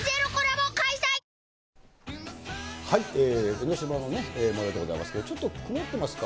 江の島のね、もようでございますけど、ちょっと曇っていますか。